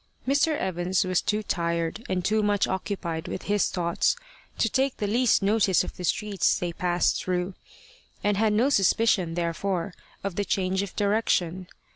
Mr. Evans was too tired and too much occupied with his thoughts to take the least notice of the streets they passed through, and had no suspicion, therefore, of the change of direction.